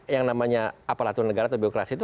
yang namanya aparatur negara atau birokrasi itu